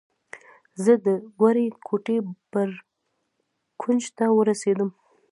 زه د وړې کوټې بر کونج ته ورسېدم.